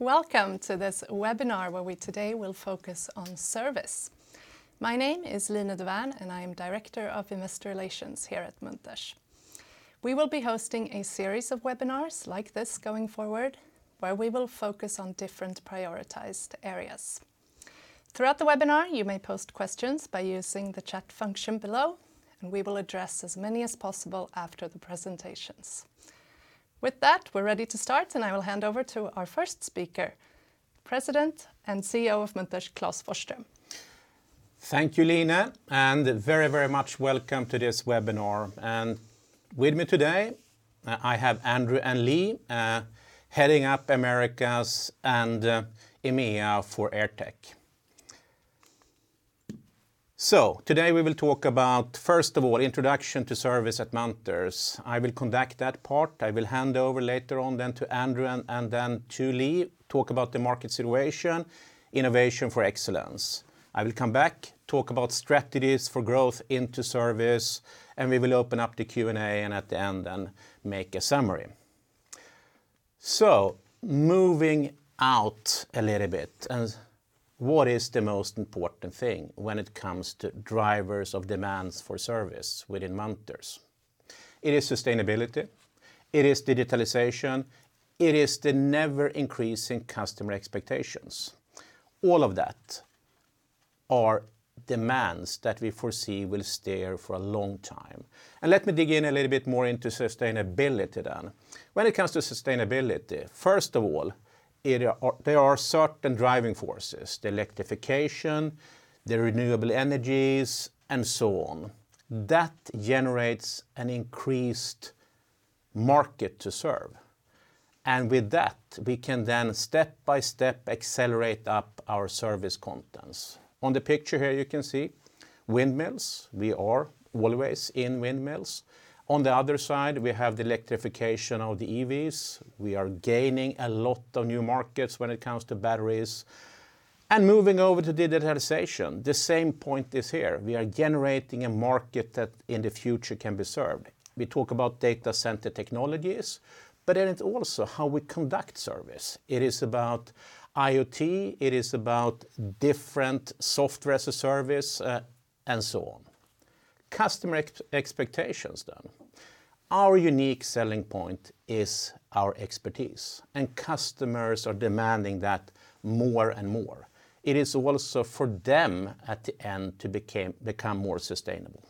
Welcome to this webinar where we today will focus on service. My name is Line Dovärn, and I am Director of Investor Relations here at Munters. We will be hosting a series of webinars like this going forward, where we will focus on different prioritized areas. Throughout the webinar, you may post questions by using the chat function below, and we will address as many as possible after the presentations. With that, we're ready to start, and I will hand over to our 1st speaker, President and CEO of Munters, Klas Forsström. Thank you, Line, and very, very much welcome to this webinar. With me today, I have Andrew and Lee, heading up Americas and EMEA for AirTech. Today we will talk about, 1st of all, introduction to service at Munters. I will conduct that part. I will hand over later on then to Andrew and then to Lee, talk about the market situation, innovation for excellence. I will come back, talk about strategies for growth into service, and we will open up the Q&A and at the end, make a summary. Moving on a little bit and what is the most important thing when it comes to drivers of demands for service within Munters? It is sustainability, it is digitalization, it is the ever-increasing customer expectations. All of that are demands that we foresee will stay for a long time. Let me dig in a little bit more into sustainability then. When it comes to sustainability, 1st of all, there are certain driving forces, the electrification, the renewable energies, and so on, that generates an increased market to serve. With that, we can then step by step accelerate up our service contents. On the picture here you can see windmills. We are always in windmills. On the other side, we have the electrification of the EVs. We are gaining a lot of new markets when it comes to batteries. Moving over to digitalization, the same point is here. We are generating a market that in the future can be served. We talk about data center technologies, but it is also how we conduct service. It is about IoT, it is about different software as a service, and so on. Customer expectations then. Our unique selling point is our expertise, and customers are demanding that more and more. It is also for them at the end to become more sustainable.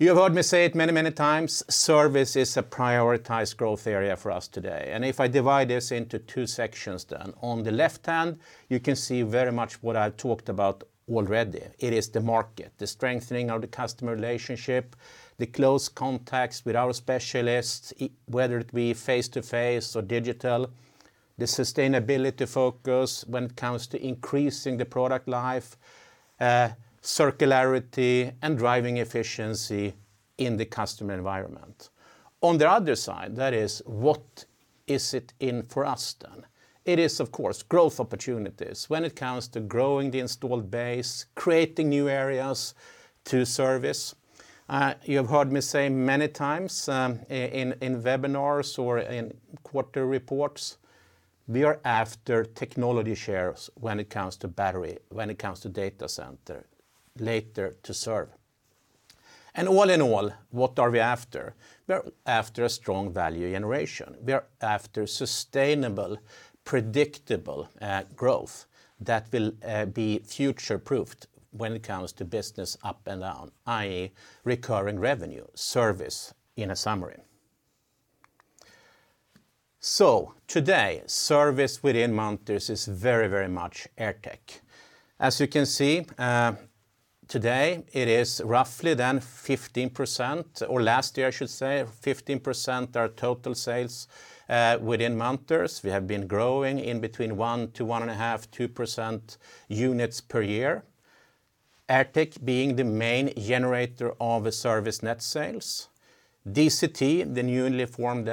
You have heard me say it many, many times. Service is a prioritized growth area for us today. If I divide this into two sections then, on the left hand, you can see very much what I talked about already. It is the market, the strengthening of the customer relationship, the close contacts with our specialists, whether it be face to face or digital, the sustainability focus when it comes to increasing the product life, circularity, and driving efficiency in the customer environment. On the other side, that is, what's in it for us then? It is, of course, growth opportunities when it comes to growing the installed base, creating new areas to service. You have heard me say many times in webinars or quarterly reports, we are after technology shares when it comes to battery, when it comes to data center, later to EVs. All in all, what are we after? We're after a strong value generation. We are after sustainable, predictable growth that will be future-proofed when it comes to business up and down, i.e., recurring revenue, service, in summary. Today, service within Munters is very, very much AirTech. As you can see, today it is roughly 15%, or last year, I should say, 15% our total sales within Munters. We have been growing between 1%-1.5%, 2% units per year. AirTech being the main generator of the service net sales. DCT, the newly formed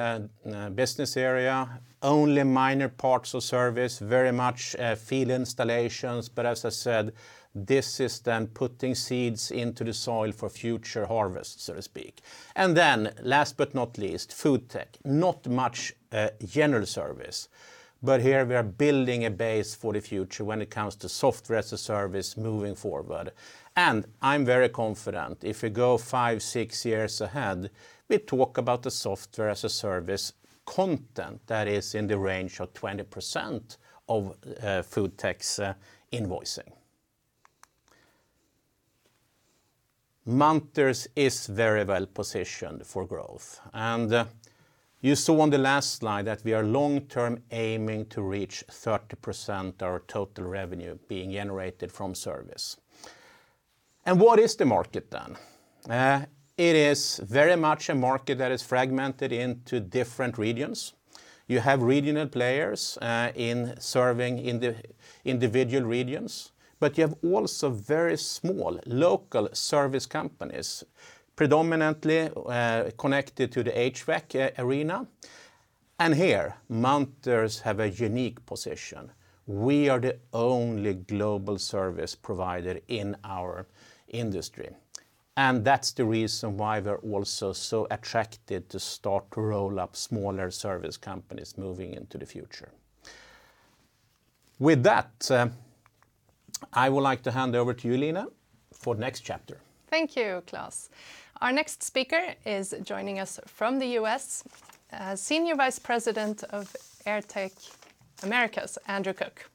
business area, only minor parts of service, very much field installations. As I said, this is then putting seeds into the soil for future harvest, so to speak. Last but not least, FoodTech. Not much general service, but here we are building a base for the future when it comes to software as a service moving forward. I'm very confident if you go five, six years ahead, we talk about the software as a service content that is in the range of 20% of FoodTech's invoicing. Munters is very well positioned for growth. You saw on the last slide that we are long-term aiming to reach 30% our total revenue being generated from service. What is the market then? It is very much a market that is fragmented into different regions. You have regional players in serving in the individual regions, but you have also very small local service companies, predominantly connected to the HVAC arena. Here, Munters have a unique position. We are the only global service provider in our industry, and that's the reason why we're also so attracted to start to roll up smaller service companies moving into the future. With that, I would like to hand over to you, Line, for next chapter. Thank you, Klas. Our next speaker is joining us from the U.S., Senior Vice President of AirTech Americas, Andrew Cook.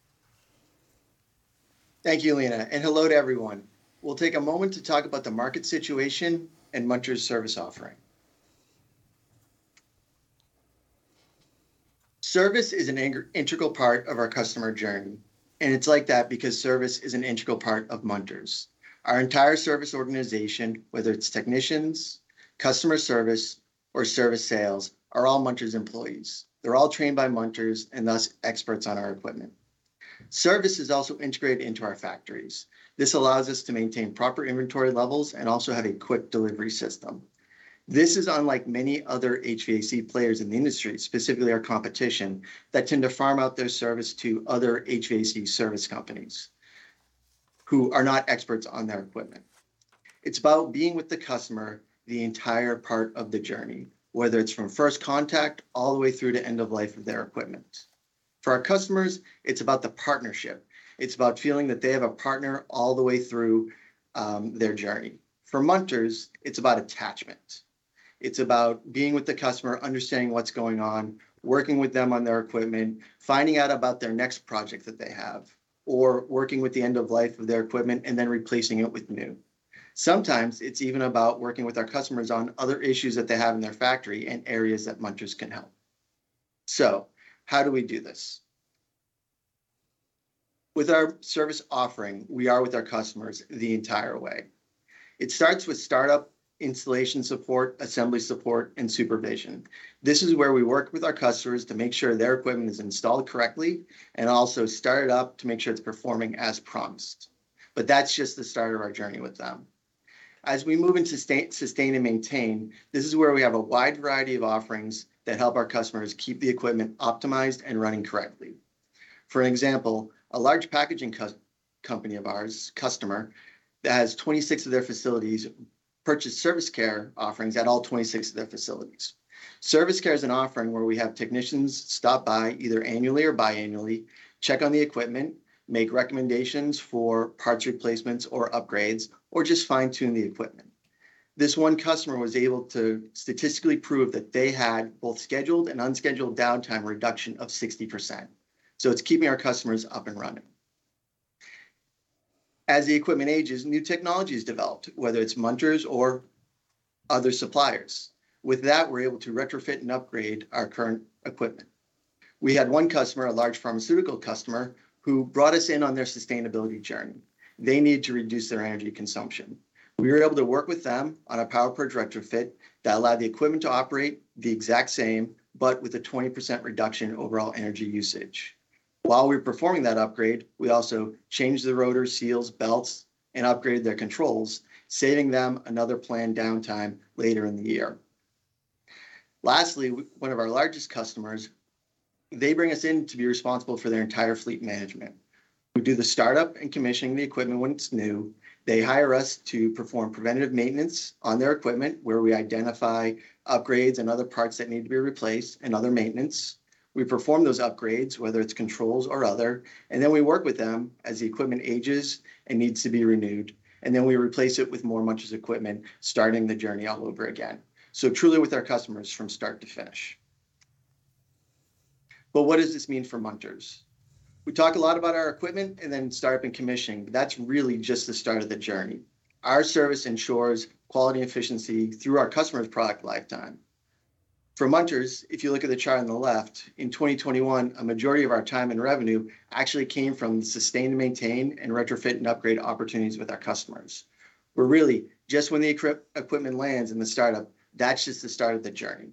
Thank you, Line, and hello to everyone. We'll take a moment to talk about the market situation and Munters' service offering. Service is an integral part of our customer journey, and it's like that because service is an integral part of Munters. Our entire service organization, whether it's technicians, customer service, or service sales, are all Munters employees. They're all trained by Munters, and thus, experts on our equipment. Service is also integrated into our factories. This allows us to maintain proper inventory levels and also have a quick delivery system. This is unlike many other HVAC players in the industry, specifically our competition, that tend to farm out their service to other HVAC service companies who are not experts on their equipment. It's about being with the customer the entire part of the journey, whether it's from 1st contact all the way through to end of life of their equipment. For our customers, it's about the partnership. It's about feeling that they have a partner all the way through, their journey. For Munters, it's about attachment. It's about being with the customer, understanding what's going on, working with them on their equipment, finding out about their next project that they have, or working with the end of life of their equipment and then replacing it with new. Sometimes it's even about working with our customers on other issues that they have in their factory and areas that Munters can help. How do we do this? With our service offering, we are with our customers the entire way. It starts with startup installation support, assembly support, and supervision. This is where we work with our customers to make sure their equipment is installed correctly and also start it up to make sure it's performing as promised. That's just the start of our journey with them. As we move into sustain and maintain, this is where we have a wide variety of offerings that help our customers keep the equipment optimized and running correctly. For example, a large packaging customer of ours that has 26 of their facilities purchase Service Care offerings at all 26 of their facilities. Service Care is an offering where we have technicians stop by either annually or biannually, check on the equipment, make recommendations for parts replacements or upgrades, or just fine-tune the equipment. This one customer was able to statistically prove that they had both scheduled and unscheduled downtime reduction of 60%, so it's keeping our customers up and running. As the equipment ages, new technology is developed, whether it's Munters or other suppliers. With that, we're able to retrofit and upgrade our current equipment. We had one customer, a large pharmaceutical customer, who brought us in on their sustainability journey. They need to reduce their energy consumption. We were able to work with them on a PowerPurge retrofit that allowed the equipment to operate the exact same but with a 20% reduction in overall energy usage. While we were performing that upgrade, we also changed the rotor seals, belts, and upgraded their controls, saving them another planned downtime later in the year. Lastly, one of our largest customers, they bring us in to be responsible for their entire fleet management. We do the startup and commissioning the equipment when it's new. They hire us to perform preventative maintenance on their equipment, where we identify upgrades and other parts that need to be replaced and other maintenance. We perform those upgrades, whether it's controls or other, and then we work with them as the equipment ages and needs to be renewed, and then we replace it with more Munters equipment, starting the journey all over again, so truly with our customers from start to finish. What does this mean for Munters? We talk a lot about our equipment and then startup and commissioning, but that's really just the start of the journey. Our service ensures quality and efficiency through our customer's product lifetime. For Munters, if you look at the chart on the left, in 2021, a majority of our time and revenue actually came from sustain, maintain, and retrofit and upgrade opportunities with our customers. Really, just when the equipment lands in the startup, that's just the start of the journey.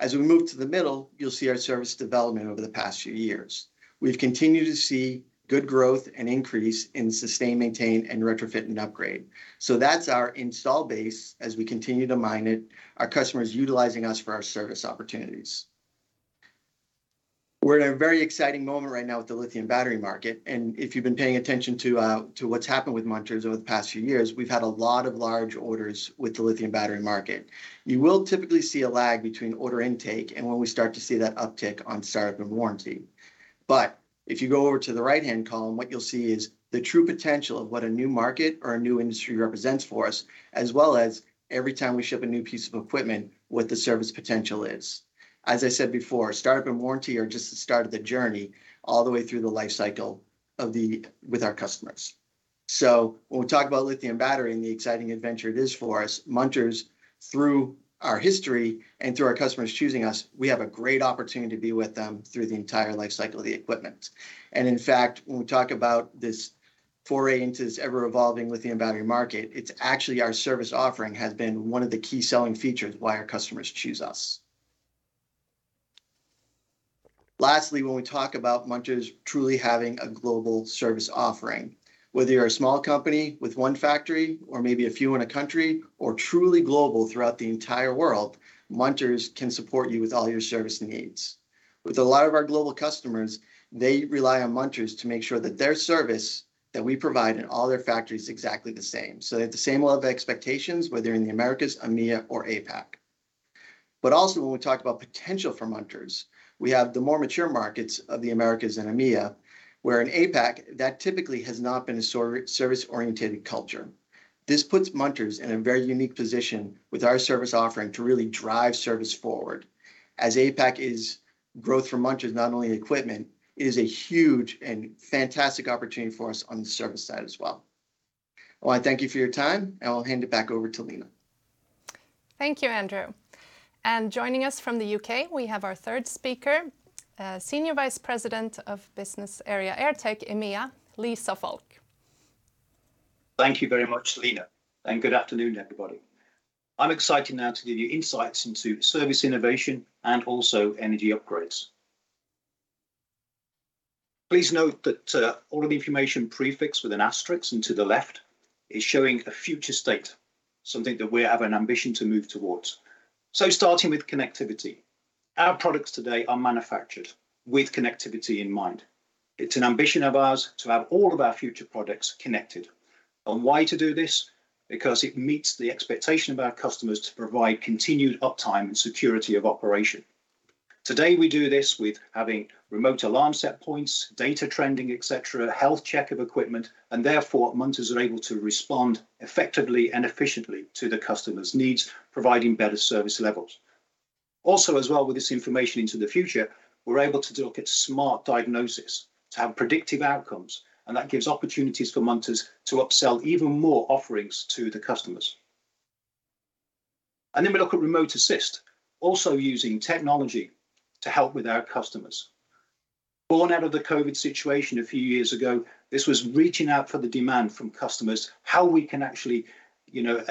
As we move to the middle, you'll see our service development over the past few years. We've continued to see good growth and increase in sustain, maintain, and retrofit and upgrade. That's our installed base as we continue to mine it, our customers utilizing us for our service opportunities. We're at a very exciting moment right now with the lithium battery market, and if you've been paying attention to what's happened with Munters over the past few years, we've had a lot of large orders with the lithium battery market. You will typically see a lag between order intake and when we start to see that uptick on startup and warranty. If you go over to the right-hand column, what you'll see is the true potential of what a new market or a new industry represents for us, as well as every time we ship a new piece of equipment, what the service potential is. As I said before, startup and warranty are just the start of the journey all the way through the life cycle with our customers. When we talk about lithium battery and the exciting adventure it is for us, Munters, through our history and through our customers choosing us, we have a great opportunity to be with them through the entire life cycle of the equipment. In fact, when we talk about this foray into this ever-evolving lithium battery market, it's actually our service offering has been one of the key selling features why our customers choose us. Lastly, when we talk about Munters truly having a global service offering, whether you're a small company with one factory or maybe a few in a country, or truly global throughout the entire world, Munters can support you with all your service needs. With a lot of our global customers, they rely on Munters to make sure that their service that we provide in all their factories is exactly the same. They have the same level of expectations, whether you're in the Americas, EMEA or APAC. Also when we talk about potential for Munters, we have the more mature markets of the Americas and EMEA, where in APAC, that typically has not been a service-oriented culture. This puts Munters in a very unique position with our service offering to really drive service forward. As APAC is growth for Munters not only in equipment, it is a huge and fantastic opportunity for us on the service side as well. Well, I thank you for your time, and I'll hand it back over to Line. Thank you, Andrew. Joining us from the U.K., we have our 3rd speaker, Senior Vice President of Business Area AirTech EMEA, Lee Suffolk. Thank you very much, Line, and good afternoon, everybody. I'm excited now to give you insights into service innovation and also energy upgrades. Please note that all of the information prefixed with an asterisk and to the left is showing a future state, something that we have an ambition to move towards. Starting with connectivity. Our products today are manufactured with connectivity in mind. It's an ambition of ours to have all of our future products connected. On why to do this, because it meets the expectation of our customers to provide continued uptime and security of operation. Today, we do this with having remote alarm set points, data trending, et cetera, health check of equipment, and therefore Munters are able to respond effectively and efficiently to the customer's needs, providing better service levels. Also, as well with this information into the future, we're able to look at smart diagnosis to have predictive outcomes, and that gives opportunities for Munters to upsell even more offerings to the customers. We look at Remote Assist, also using technology to help with our customers. Born out of the COVID situation a few years ago, this was reaching out for the demand from customers, how we can actually, you know,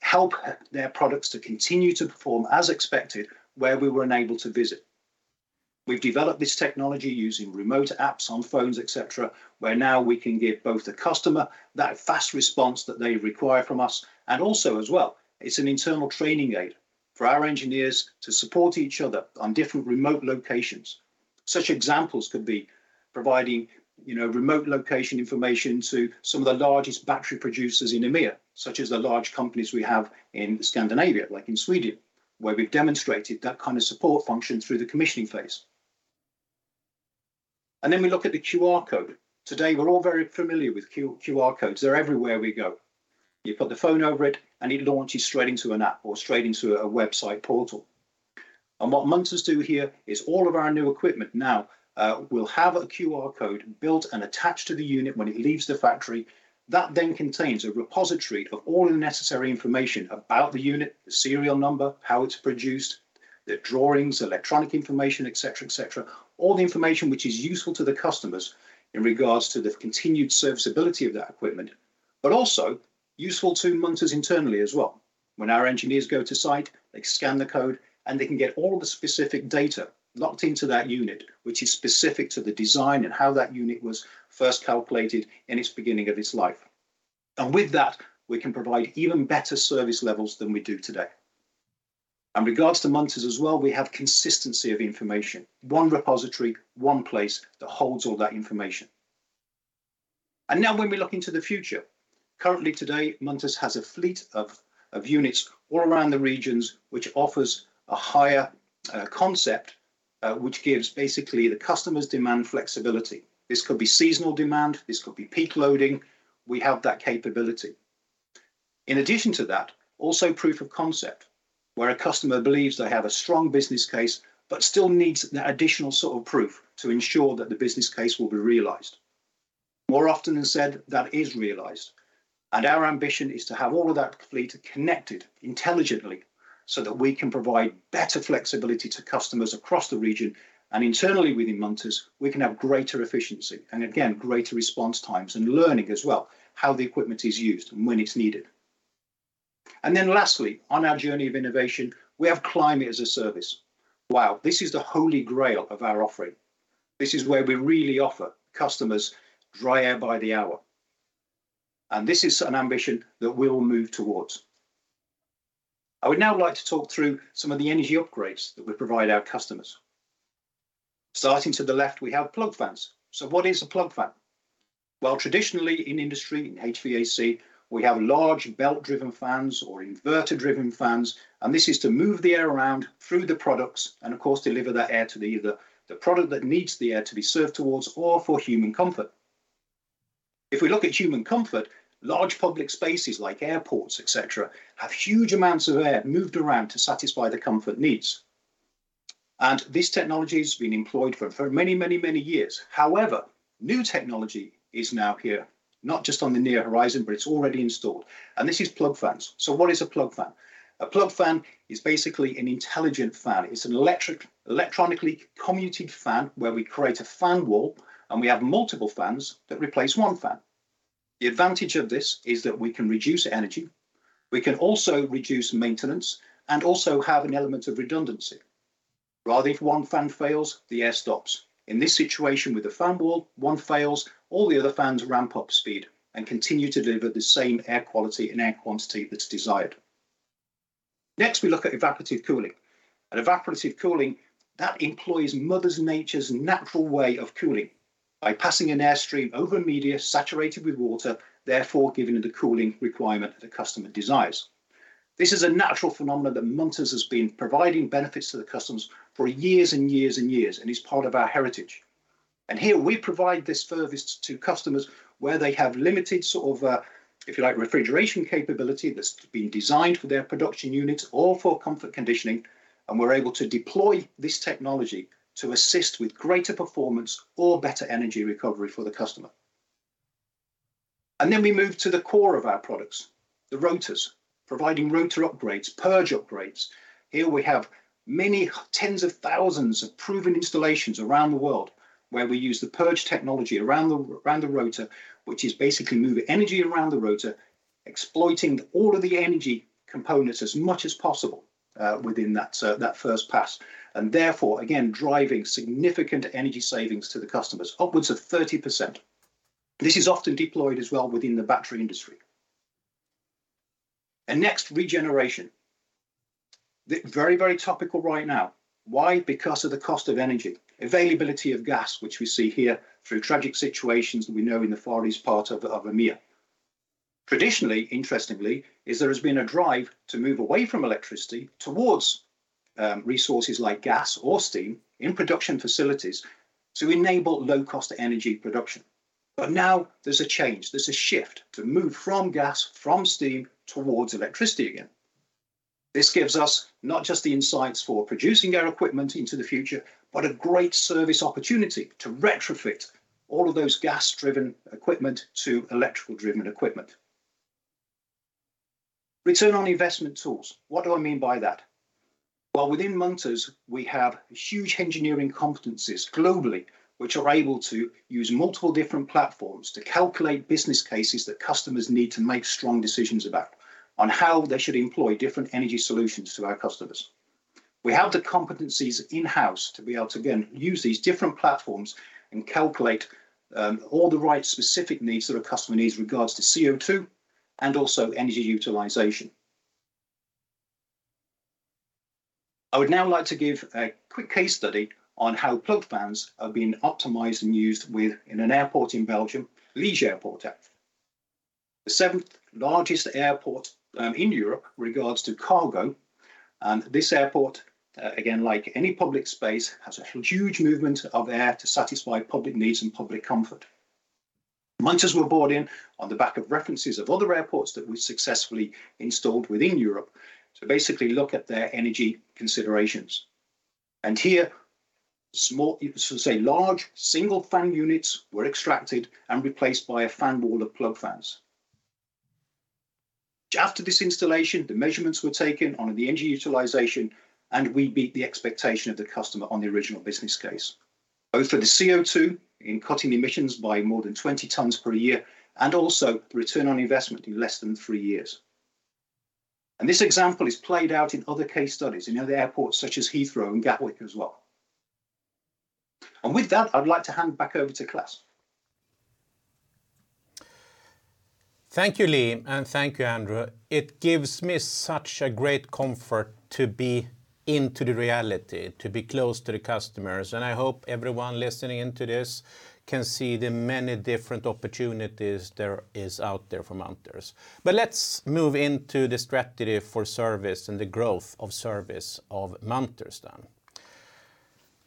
help their products to continue to perform as expected where we were unable to visit. We've developed this technology using remote apps on phones, et cetera, where now we can give both the customer that fast response that they require from us and also as well, it's an internal training aid for our engineers to support each other on different remote locations. Such examples could be providing, you know, remote location information to some of the largest battery producers in EMEA, such as the large companies we have in Scandinavia, like in Sweden, where we've demonstrated that kind of support function through the commissioning phase. Then we look at the QR code. Today, we're all very familiar with QR codes. They're everywhere we go. You put the phone over it, and it launches straight into an app or straight into a website portal. What Munters do here is all of our new equipment now will have a QR code built and attached to the unit when it leaves the factory. That then contains a repository of all the necessary information about the unit, the serial number, how it's produced, the drawings, electronic information, et cetera, et cetera. All the information which is useful to the customers in regards to the continued serviceability of that equipment, but also useful to Munters internally as well. When our engineers go to site, they scan the code, and they can get all of the specific data locked into that unit, which is specific to the design and how that unit was 1st calculated in its beginning of its life. With that, we can provide even better service levels than we do today. In regards to Munters as well, we have consistency of information. One repository, one place that holds all that information. Now when we look into the future, currently today, Munters has a fleet of units all around the regions, which offers a higher concept, which gives basically the customer's demand flexibility. This could be seasonal demand. This could be peak loading. We have that capability. In addition to that, also proof of concept, where a customer believes they have a strong business case but still needs that additional sort of proof to ensure that the business case will be realized. More often than not, that is realized, and our ambition is to have all of that fleet connected intelligently so that we can provide better flexibility to customers across the region. Internally within Munters, we can have greater efficiency, and again, greater response times and learning as well, how the equipment is used and when it's needed. Lastly, on our journey of innovation, we have climate as a service. Wow, this is the holy grail of our offering. This is where we really offer customers dry air by the hour. This is an ambition that we'll move towards. I would now like to talk through some of the energy upgrades that we provide our customers. Starting to the left, we have plug fans. What is a plug fan? Well, traditionally in industry, in HVAC, we have large belt-driven fans or inverter-driven fans, and this is to move the air around through the products and of course deliver that air to either the product that needs the air to be served towards or for human comfort. If we look at human comfort, large public spaces like airports, et cetera, have huge amounts of air moved around to satisfy the comfort needs. This technology has been employed for many years. However, new technology is now here, not just on the near horizon, but it's already installed, and this is plug fans. What is a plug fan? A plug fan is basically an intelligent fan. It's an electric electronically commutated fan where we create a fan wall, and we have multiple fans that replace one fan. The advantage of this is that we can reduce energy. We can also reduce maintenance and also have an element of redundancy. Rather if one fan fails, the air stops. In this situation with the fan wall, one fails, all the other fans ramp up speed and continue to deliver the same air quality and air quantity that's desired. Next, we look at evaporative cooling. Evaporative cooling, that employs Mother Nature's natural way of cooling. By passing an airstream over media saturated with water, therefore giving you the cooling requirement that the customer desires. This is a natural phenomenon that Munters has been providing benefits to the customers for years and years and years, and is part of our heritage. Here we provide this service to customers where they have limited sort of, if you like, refrigeration capability that's been designed for their production units or for comfort conditioning, and we're able to deploy this technology to assist with greater performance or better energy recovery for the customer. Then we move to the core of our products, the rotors. Providing rotor upgrades, purge upgrades. Here we have many tens of thousands of proven installations around the world, where we use the purge technology around the rotor, which is basically moving energy around the rotor, exploiting all of the energy components as much as possible, within that 1st pass, and therefore again, driving significant energy savings to the customers, upwards of 30%. This is often deployed as well within the battery industry. Next, regeneration. The very, very topical right now. Why? Because of the cost of energy. Availability of gas, which we see here through tragic situations that we know in the far east part of EMEA. Traditionally, interestingly, there has been a drive to move away from electricity towards resources like gas or steam in production facilities to enable low-cost energy production. Now there's a change. There's a shift to move from gas, from steam, towards electricity again. This gives us not just the insights for producing our equipment into the future, but a great service opportunity to retrofit all of those gas-driven equipment to electrical-driven equipment. ROI tools. What do I mean by that? Well, within Munters we have huge engineering competencies globally, which are able to use multiple different platforms to calculate business cases that customers need to make strong decisions about on how they should employ different energy solutions to our customers. We have the competencies in-house to be able to, again, use these different platforms and calculate all the right specific needs that a customer needs regards to CO2 and also energy utilization. I would now like to give a quick case study on how plug fans have been optimized and used within an airport in Belgium, Liège Airport. The seventh-largest airport in Europe regards to cargo, and this airport, again, like any public space, has a huge movement of air to satisfy public needs and public comfort. Munters were brought in on the back of references of other airports that we successfully installed within Europe to basically look at their energy considerations. Here small, you could say large, single fan units were extracted and replaced by a fan wall of plug fans. After this installation, the measurements were taken on the energy utilization, and we beat the expectation of the customer on the original business case, both for the CO2 in cutting emissions by more than 20 tons per year, and also the return on investment in less than 3 years. This example is played out in other case studies in other airports such as Heathrow and Gatwick as well. With that, I'd like to hand back over to Klas. Thank you, Lee, and thank you, Andrew. It gives me such a great comfort to be into the reality, to be close to the customers, and I hope everyone listening in to this can see the many different opportunities there is out there for Munters. Let's move into the strategy for service and the growth of service of Munters then.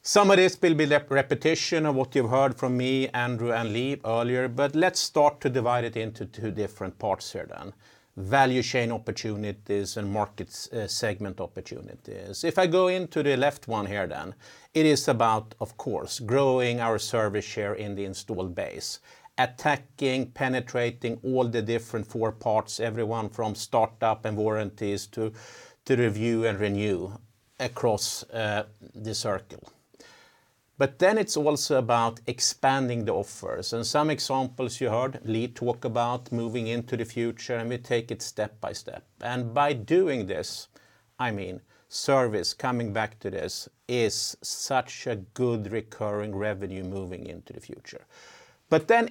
Some of this will be repetition of what you've heard from me, Andrew, and Lee earlier, but let's start to divide it into two different parts here then. Value chain opportunities and market segment opportunities. If I go into the left one here then, it is about, of course, growing our service share in the installed base. Attacking, penetrating all the different four parts, everyone from start up and warranties to review and renew across the circle. It's also about expanding the offers, and some examples you heard Lee talk about moving into the future, and we take it step by step. By doing this, I mean service, coming back to this, is such a good recurring revenue moving into the future.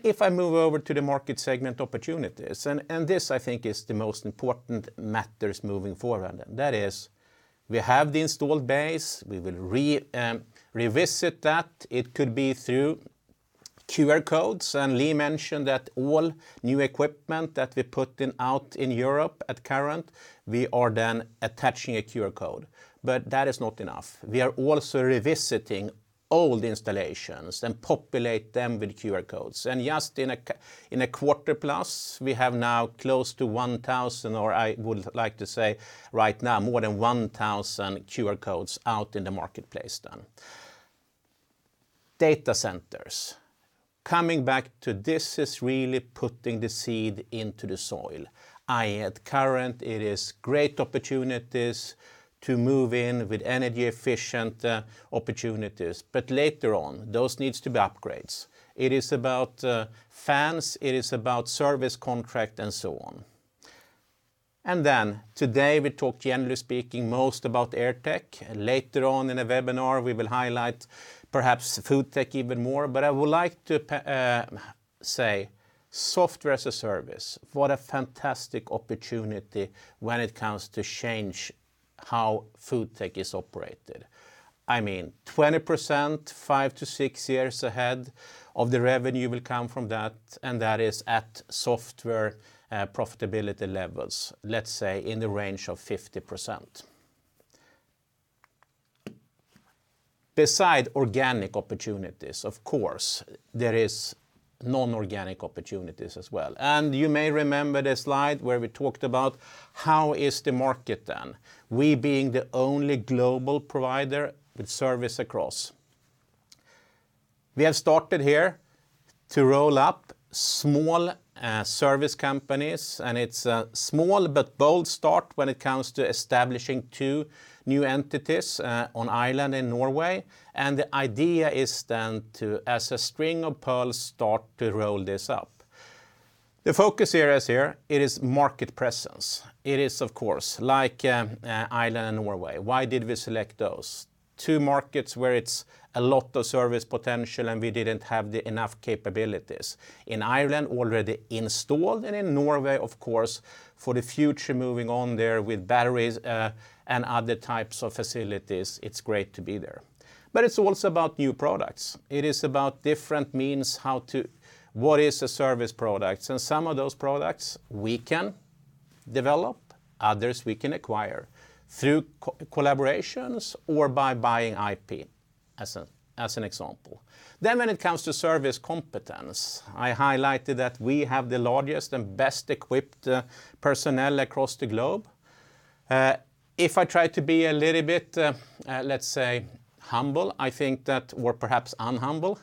If I move over to the market segment opportunities and this I think is the most important matters moving forward, and that is we have the installed base, we will revisit that. It could be through QR codes, and Lee mentioned that all new equipment that we're putting out in Europe currently, we are then attaching a QR code. That is not enough. We are also revisiting old installations and populate them with QR codes, and just in a quarter plus, we have now close to 1,000, or I would like to say right now, more than 1,000 QR codes out in the marketplace then. Data centers. Coming back to this is really putting the seed into the soil. Currently, it is great opportunities to move in with energy-efficient opportunities, but later on, those need to be upgrades. It is about fans, it is about service contract, and so on. Today we talk generally speaking most about AirTech. Later on in a webinar, we will highlight perhaps FoodTech even more, but I would like to say software as a service, what a fantastic opportunity when it comes to change how FoodTech is operated. I mean, 20%, five to six years ahead of the revenue will come from that, and that is at software profitability levels, let's say in the range of 50%. Besides organic opportunities, of course, there is non-organic opportunities as well. You may remember the slide where we talked about how is the market then? We being the only global provider with service across. We have started here to roll up small service companies, and it's a small but bold start when it comes to establishing two new entities in Ireland and Norway. The idea is then to, as a string of pearls, start to roll this up. The focus areas here, it is market presence. It is of course, like, Ireland and Norway. Why did we select those? Two markets where it's a lot of service potential, and we didn't have enough capabilities. In Ireland, already installed, and in Norway, of course, for the future moving on there with batteries, and other types of facilities, it's great to be there. It's also about new products. It is about different means, what is a service product? Some of those products we can develop, others we can acquire through collaborations or by buying IP as an example. When it comes to service competence, I highlighted that we have the largest and best-equipped personnel across the globe. If I try to be a little bit, let's say humble, I think that we're perhaps unhumble.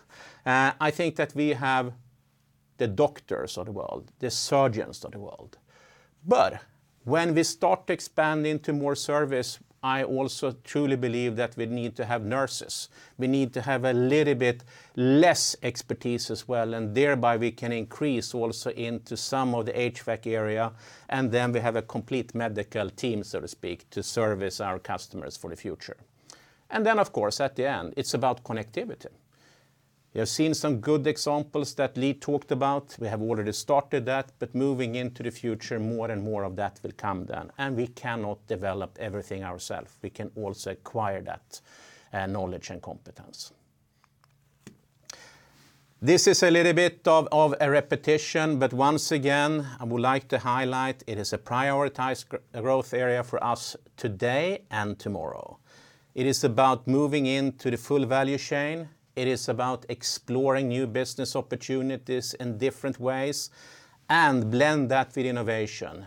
I think that we have the doctors of the world, the surgeons of the world. When we start to expand into more service, I also truly believe that we need to have nurses. We need to have a little bit less expertise as well, and thereby we can increase also into some of the HVAC area, and then we have a complete medical team, so to speak, to service our customers for the future. Of course, at the end, it's about connectivity. You have seen some good examples that Lee talked about. We have already started that. Moving into the future, more and more of that will come then, and we cannot develop everything ourself. We can also acquire that knowledge and competence. This is a little bit of a repetition, but once again, I would like to highlight it is a prioritized growth area for us today and tomorrow. It is about moving into the full value chain. It is about exploring new business opportunities in different ways and blend that with innovation,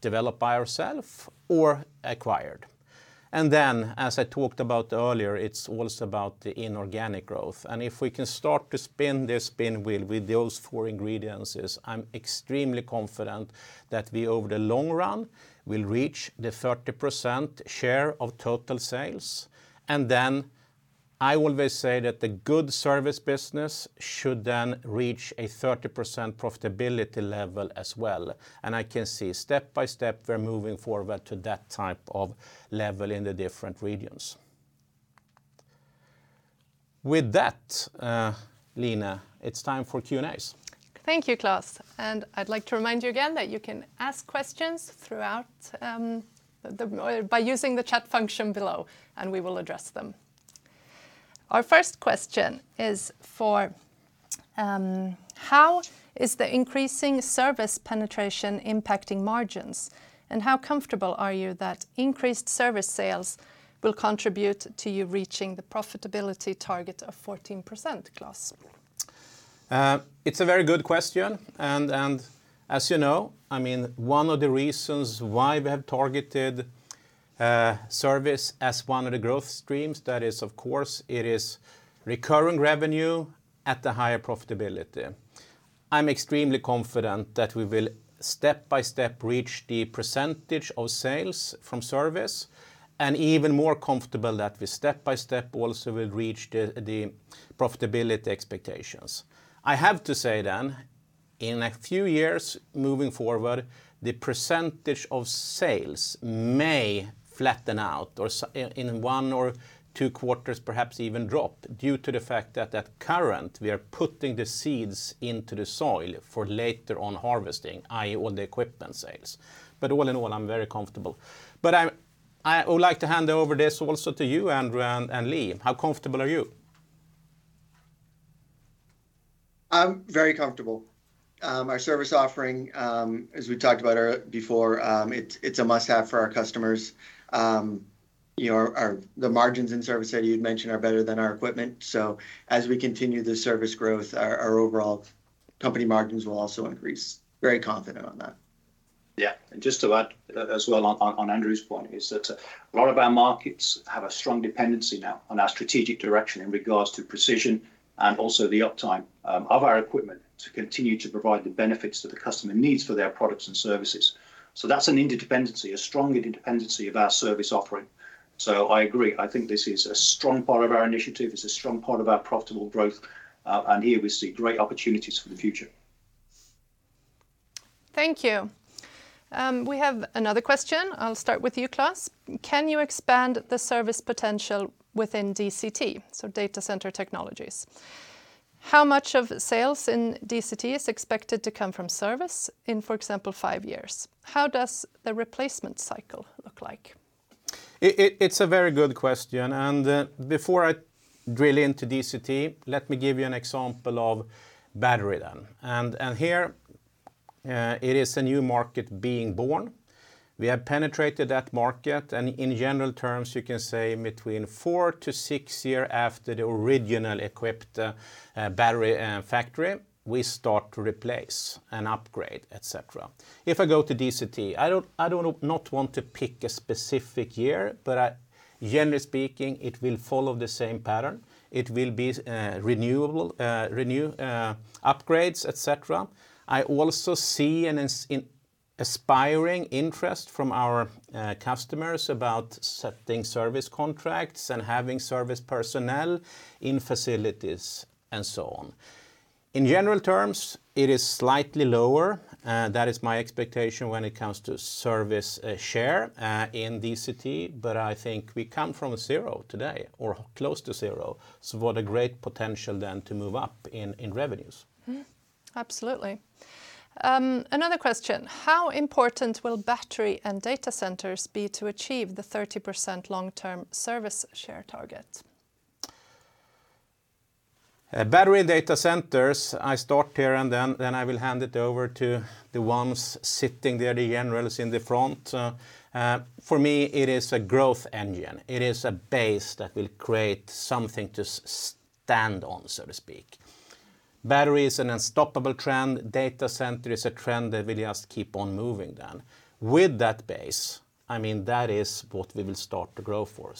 developed by ourselves or acquired. As I talked about earlier, it's also about the inorganic growth. If we can start to spin this spin wheel with those four ingredients is I'm extremely confident that we, over the long run, will reach the 30% share of total sales. I will say that the good service business should then reach a 30% profitability level as well. I can see step by step we're moving forward to that type of level in the different regions. With that, Line, it's time for Q&As. Thank you, Klas. I'd like to remind you again that you can ask questions throughout by using the chat function below, and we will address them. Our 1st question is for Klas: How is the increasing service penetration impacting margins, and how comfortable are you that increased service sales will contribute to you reaching the profitability target of 14%, Klas? It's a very good question. As you know, I mean, one of the reasons why we have targeted service as one of the growth streams, that is of course, it is recurring revenue at the higher profitability. I'm extremely confident that we will, step-by-step, reach the percentage of sales from service and even more comfortable that we step-by-step also will reach the profitability expectations. I have to say then, in a few years moving forward, the percentage of sales may flatten out or in one or two quarters, perhaps even drop due to the fact that currently, we are putting the seeds into the soil for later on harvesting, i.e., all the equipment sales. All in all, I'm very comfortable. I would like to hand over this also to you, Andrew and Lee. How comfortable are you? I'm very comfortable. Our service offering, as we talked about before, it's a must have for our customers. You know, the margins in service that you'd mentioned are better than our equipment. As we continue the service growth, our overall company margins will also increase. Very confident on that. Yeah. Just to add as well on Andrew's point is that a lot of our markets have a strong dependency now on our strategic direction in regards to precision and also the uptime of our equipment to continue to provide the benefits that the customer needs for their products and services. That's an interdependency, a strong interdependency of our service offering. I agree. I think this is a strong part of our initiative. It's a strong part of our profitable growth. Here we see great opportunities for the future. Thank you. We have another question. I'll start with you, Klas. Can you expand the service potential within DCT, so Data Center Technologies? How much of sales in DCT is expected to come from service in, for example, five years? How does the replacement cycle look like? It's a very good question, and before I drill into DCT, let me give you an example of battery then. Here, it is a new market being born. We have penetrated that market, and in general terms, you can say between four to six years after the original equipped battery factory, we start to replace and upgrade, et cetera. If I go to DCT, I don't want to pick a specific year, but generally speaking, it will follow the same pattern. It will be renewable upgrades, et cetera. I also see an inspiring interest from our customers about setting service contracts and having service personnel in facilities, and so on. In general terms, it is slightly lower, that is my expectation when it comes to service share in DCT, but I think we come from zero today or close to zero, so what a great potential then to move up in revenues. Mm-hmm. Absolutely. Another question: How important will battery and data centers be to achieve the 30% long-term service share target? Battery data centers, I start here, and then I will hand it over to the ones sitting there, the generals in the front. For me, it is a growth engine. It is a base that will create something to stand on, so to speak. Battery is an unstoppable trend. Data center is a trend that will just keep on moving then. With that base, I mean, that is what we will start to grow for.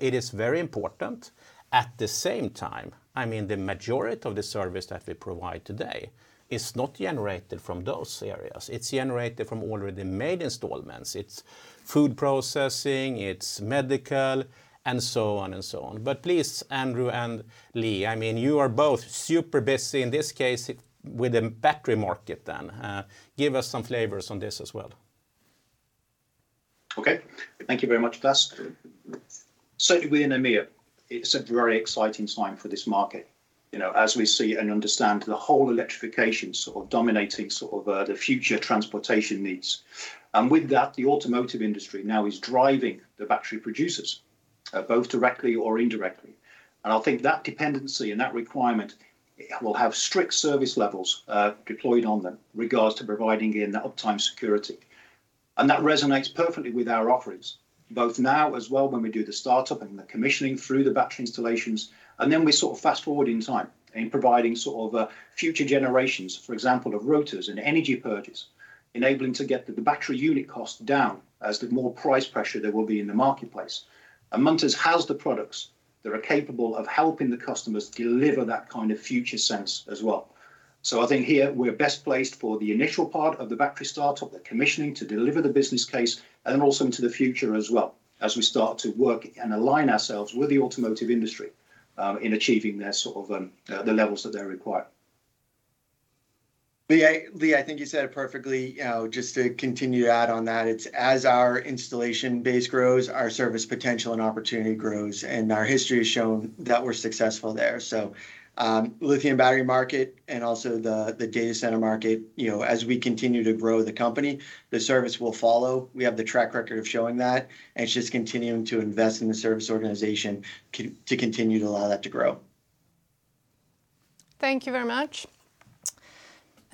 It is very important. At the same time, I mean, the majority of the service that we provide today is not generated from those areas. It's generated from already made installations. It's food processing, it's medical, and so on, and so on. Please, Andrew and Lee, I mean, you are both super busy in this case with the battery market then. Give us some flavors on this as well. Okay. Thank you very much, Klas. Certainly, in EMEA, it's a very exciting time for this market, you know, as we see and understand the whole electrification sort of dominating the future transportation needs. With that, the automotive industry now is driving the battery producers both directly or indirectly, and I think that dependency and that requirement will have strict service levels deployed on them regards to providing in the uptime security. That resonates perfectly with our offerings, both now as well when we do the startup and the commissioning through the battery installations, and then we sort of fast-forward in time in providing sort of future generations, for example, of rotors and energy purges, enabling to get the battery unit cost down as the more price pressure there will be in the marketplace. Munters has the products that are capable of helping the customers deliver that kind of future sense as well. I think here we're best placed for the initial part of the battery startup, the commissioning to deliver the business case, and then also into the future as well as we start to work and align ourselves with the automotive industry, in achieving their sort of, the levels that they require. Lee, I think you said it perfectly. You know, just to continue to add on that, it's as our installation base grows, our service potential and opportunity grows, and our history has shown that we're successful there. Lithium battery market and also the data center market, you know, as we continue to grow the company, the service will follow. We have the track record of showing that, and it's just continuing to invest in the service organization to continue to allow that to grow. Thank you very much.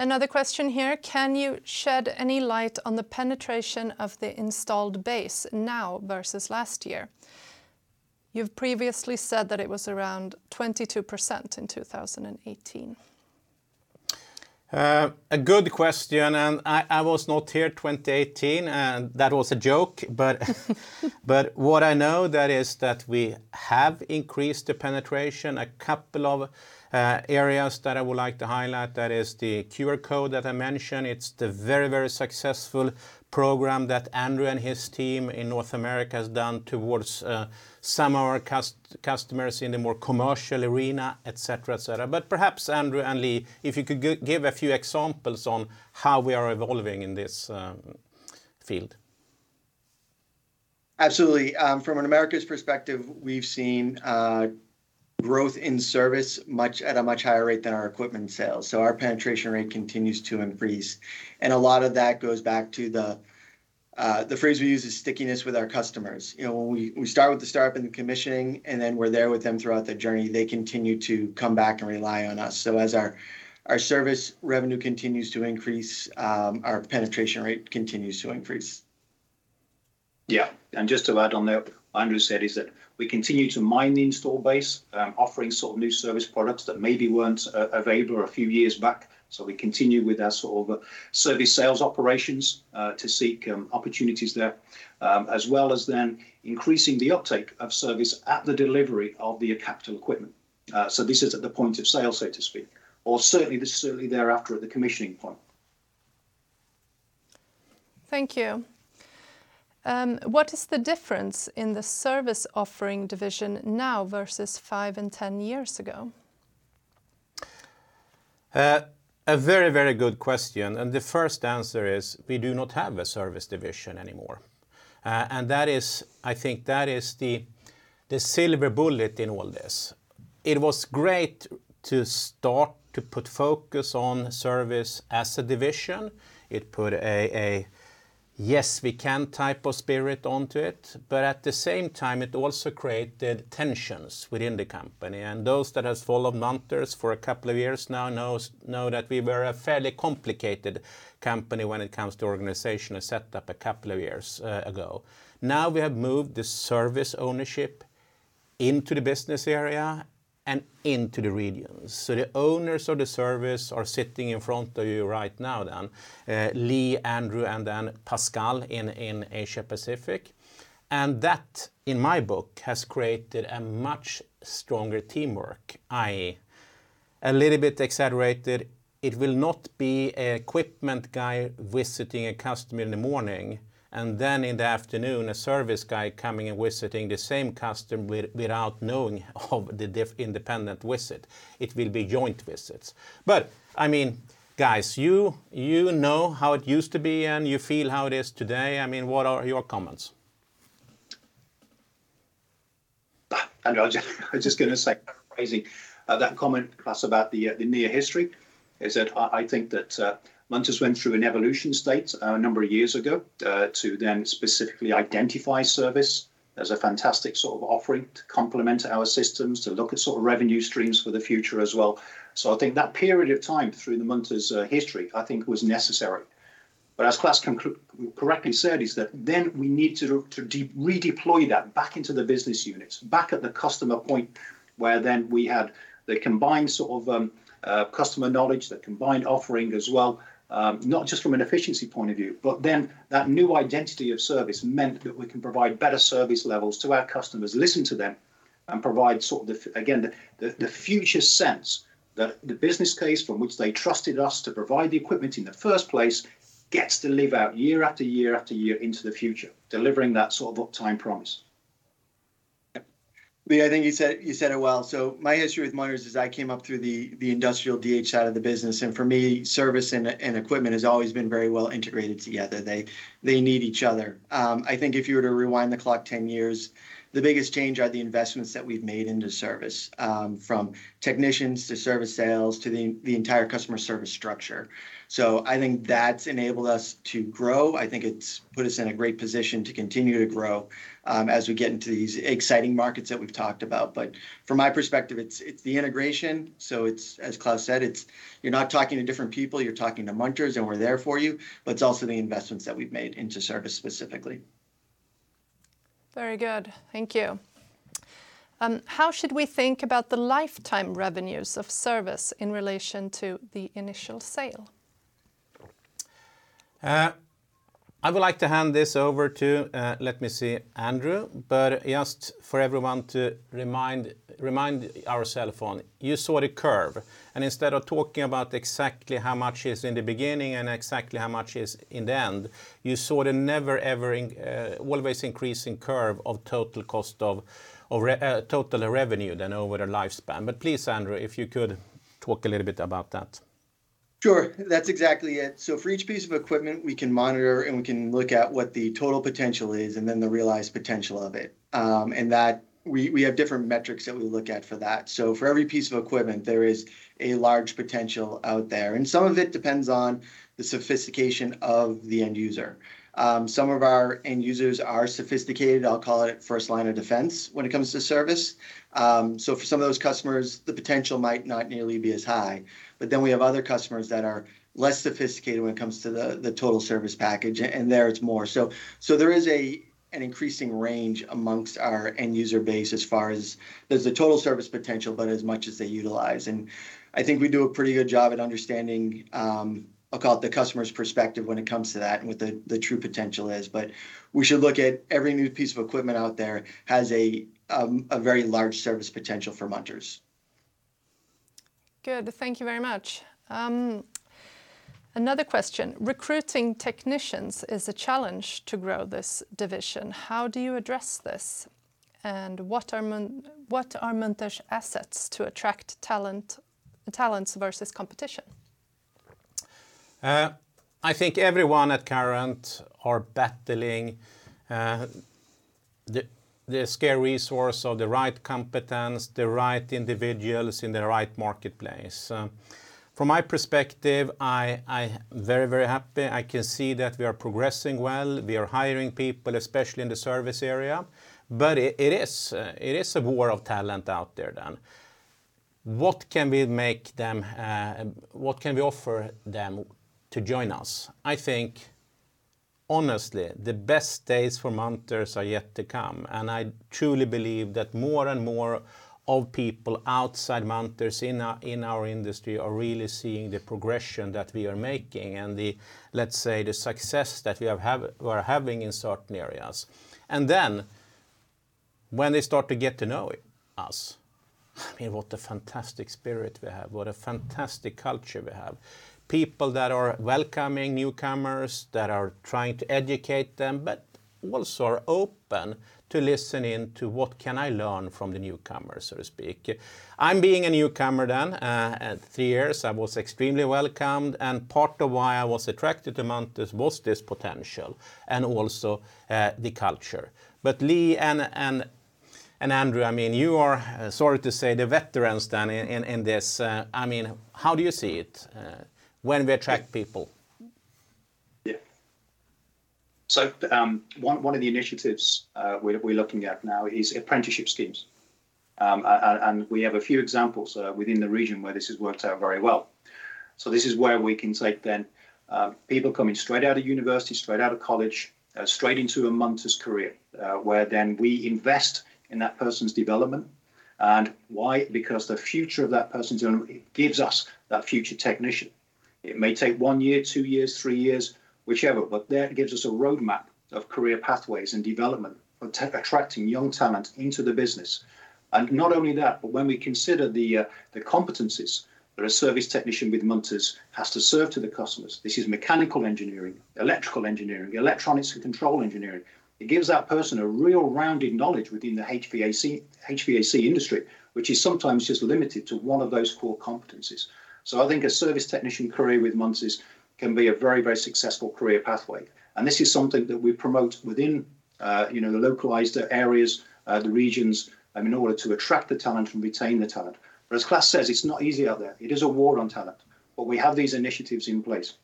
Another question here: Can you shed any light on the penetration of the installed base now versus last year? You've previously said that it was around 22% in 2018. A good question, I was not here in 2018, and that was a joke. What I know is that we have increased the penetration. A couple of areas that I would like to highlight, that is the QR code that I mentioned. It's the very, very successful program that Andrew and his team in North America has done towards some of our customers in the more commercial arena, et cetera, et cetera. Perhaps Andrew and Lee, if you could give a few examples on how we are evolving in this field. Absolutely. From an Americas perspective, we've seen growth in service at a much higher rate than our equipment sales. Our penetration rate continues to increase, and a lot of that goes back to the phrase we use is stickiness with our customers. You know, when we start with the startup and the commissioning, and then we're there with them throughout the journey, they continue to come back and rely on us. As our service revenue continues to increase, our penetration rate continues to increase. Yeah. Just to add on there, Andrew said is that we continue to mine the installed base, offering sort of new service products that maybe weren't available a few years back. We continue with our sort of service sales operations to seek opportunities there, as well as then increasing the uptake of service at the delivery of the capital equipment. This is at the point of sale, so to speak, or certainly, this is certainly thereafter at the commissioning point. Thank you, what is the difference in the service offering division now versus five and 10 years ago? A very, very good question, the 1st answer is we do not have a service division anymore. That is, I think that is the silver bullet in all this. It was great to start to put focus on service as a division. It put a yes we can type of spirit onto it. At the same time, it also created tensions within the company. Those that has followed Munters for a couple of years now know that we were a fairly complicated company when it comes to organization and setup a couple of years ago. Now, we have moved the service ownership into the business area and into the regions. The owners of the service are sitting in front of you right now then, Lee, Andrew, and then Pascal in Asia Pacific. That, in my book, has created a much stronger teamwork. I, a little bit exaggerated, it will not be an equipment guy visiting a customer in the morning, and then in the afternoon a service guy coming and visiting the same customer without knowing of the independent visit. It will be joint visits. I mean, guys, you know how it used to be, and you feel how it is today. I mean, what are your comments? Andrew, I was just gonna say, crazy, that comment, Klas, about the recent history is that I think that Munters went through an evolution state a number of years ago to then specifically identify service as a fantastic sort of offering to complement our systems, to look at sort of revenue streams for the future as well. I think that period of time through the Munters history, I think was necessary. As Klas correctly said, is that then we need to redeploy that back into the business units, back at the customer point where then we had the combined sort of customer knowledge, the combined offering as well. Not just from an efficiency point of view, but then that new identity of service meant that we can provide better service levels to our customers, listen to them, and provide sort of the future sense that the business case from which they trusted us to provide the equipment in the 1st place gets to live out year, after year, after year into the future, delivering that sort of uptime promise. Lee, I think you said it well. My history with Munters is I came up through the industrial DH side of the business, and for me, service and equipment has always been very well integrated together. They need each other. I think if you were to rewind the clock 10 years, the biggest change are the investments that we've made into service, from technicians, to service sales, to the entire customer service structure. I think that's enabled us to grow. I think it's put us in a great position to continue to grow, as we get into these exciting markets that we've talked about. From my perspective, it's the integration, so it's, as Klas said, it's you're not talking to different people, you're talking to Munters and we're there for you, but it's also the investments that we've made into service specifically. Very good. Thank you. How should we think about the lifetime revenues of service in relation to the initial sale? I would like to hand this over to, let me see, Andrew, but just for everyone to remind ourselves on. You saw the curve, and instead of talking about exactly how much is in the beginning and exactly how much is in the end, you saw the always increasing curve of total cost of revenue and total revenue over the lifespan. Please, Andrew, if you could talk a little bit about that. Sure. That's exactly it. For each piece of equipment, we can monitor and we can look at what the total potential is, and then the realized potential of it. And that, we have different metrics that we look at for that. For every piece of equipment, there is a large potential out there, and some of it depends on the sophistication of the end user. Some of our end users are sophisticated, I'll call it 1st line of defense, when it comes to service. For some of those customers, the potential might not nearly be as high. We have other customers that are less sophisticated when it comes to the total service package, and there it's more. There is an increasing range among our end user base as far as there's the total service potential, but as much as they utilize. I think we do a pretty good job at understanding, I'll call it the customer's perspective when it comes to that and what the true potential is. We should look at every new piece of equipment out there has a very large service potential for Munters. Good. Thank you very much. Another question. Recruiting technicians is a challenge to grow this division. How do you address this, and what are Munters assets to attract talent, talents versus competition? I think everyone currently are battling the scarce resources or the right competence, the right individuals in the right marketplace. From my perspective, I very, very happy. I can see that we are progressing well. We are hiring people, especially in the service area. It is a war of talent out there then. What can we offer them to join us? I think, honestly, the best days for Munters are yet to come, and I truly believe that more and more people outside Munters in our industry are really seeing the progression that we are making and, let's say, the success that we're having in certain areas. When they start to get to know us, I mean, what a fantastic spirit we have, what a fantastic culture we have. People that are welcoming newcomers, that are trying to educate them, but also are open to listening to what can I learn from the newcomers, so to speak. I'm being a newcomer then, at three years, I was extremely welcomed, and part of why I was attracted to Munters was this potential, and also, the culture. Lee and Andrew, I mean, you are, sorry to say, the veterans then in this. I mean, how do you see it, when we attract people? Yeah. One of the initiatives we're looking at now is apprenticeship schemes. And we have a few examples within the region where this has worked out very well. This is where we can take people coming straight out of university, straight out of college, straight into a Munters career, where we invest in that person's development. Why? Because the future of that person's journey gives us that future technician. It may take one year, two years, three years, whichever, but that gives us a roadmap of career pathways and development for attracting young talent into the business. Not only that, but when we consider the competencies that a service technician with Munters has to serve to the customers, this is mechanical engineering, electrical engineering, electronics and control engineering. It gives that person a real rounded knowledge within the HVAC industry, which is sometimes just limited to one of those core competencies. I think a service technician career with Munters can be a very, very successful career pathway, and this is something that we promote within, you know, the localized areas, the regions, in order to attract the talent and retain the talent. As Klas says, it's not easy out there. It is a war on talent, but we have these initiatives in place.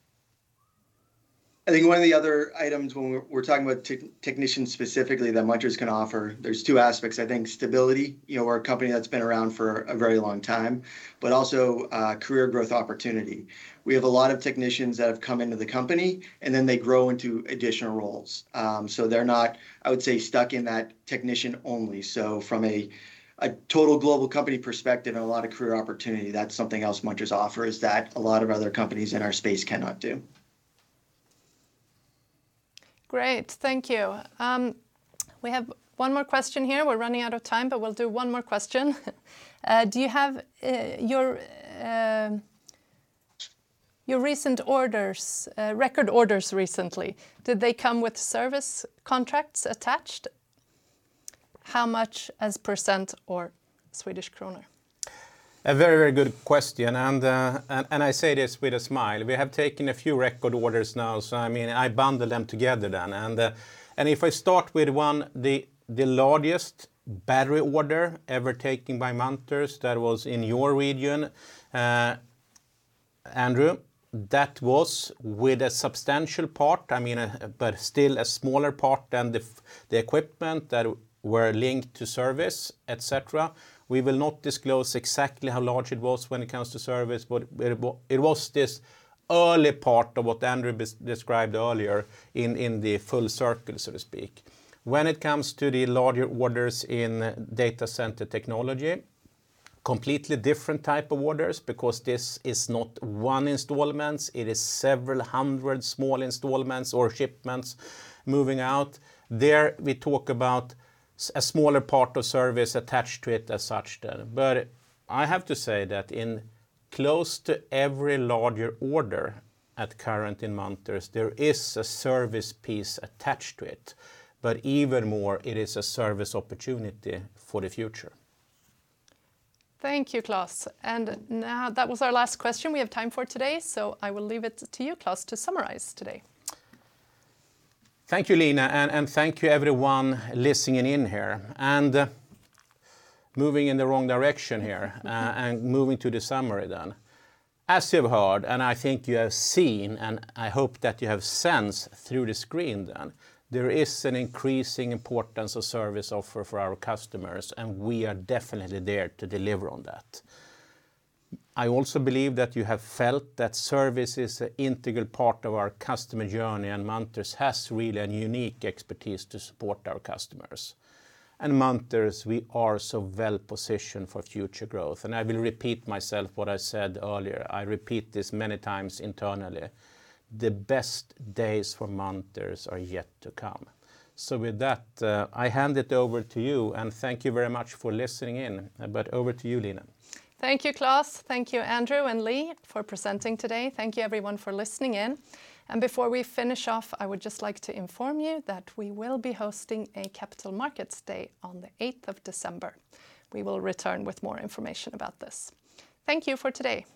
I think one of the other items when we're talking about technicians specifically that Munters can offer, there's two aspects, I think. Stability, you know, we're a company that's been around for a very long time, but also, career growth opportunity. We have a lot of technicians that have come into the company, and then they grow into additional roles. So they're not, I would say, stuck in that technician only. From a total global company perspective and a lot of career opportunity, that's something else Munters offers that a lot of other companies in our space cannot do. Great. Thank you. We have one more question here. We're running out of time, but we'll do one more question. Do you have your recent orders, record orders recently, did they come with service contracts attached? How much as percent or Swedish krona? A very, very good question, and I say this with a smile. We have taken a few record orders now, so I mean, I bundle them together then. If I start with one, the largest battery order ever taken by Munters, that was in your region, Andrew, that was with a substantial part, I mean, but still a smaller part than the equipment that were linked to service, et cetera. We will not disclose exactly how large it was when it comes to service, but it was this early part of what Andrew described earlier in the full circle, so to speak. When it comes to the larger orders in Data Center Technologies, completely different type of orders because this is not one installments, it is several hundred small installments or shipments moving out. There, we talk about a smaller part of service attached to it as such then. I have to say that in close to every larger order currently in Munters, there is a service piece attached to it. Even more, it is a service opportunity for the future. Thank you, Klas. Now that was our last question we have time for today, so I will leave it to you, Klas, to summarize today. Thank you, Line, and thank you everyone listening in here. Moving to the summary then. As you've heard, and I think you have seen, and I hope that you have sensed through the screen then, there is an increasing importance of service offering for our customers, and we are definitely there to deliver on that. I also believe that you have felt that service is an integral part of our customer journey, and Munters really has a unique expertise to support our customers. Munters, we are so well positioned for future growth, and I will repeat myself what I said earlier. I repeat this many times internally. The best days for Munters are yet to come. With that, I hand it over to you, and thank you very much for listening in, but over to you, Line. Thank you, Klas. Thank you, Andrew and Lee, for presenting today. Thank you everyone for listening in. Before we finish off, I would just like to inform you that we will be hosting a Capital Markets Day on the eighth of December. We will return with more information about this. Thank you for today.